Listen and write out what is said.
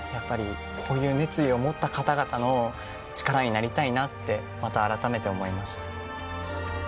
こういう熱意を持った方々の力になりたいなってまたあらためて思いました。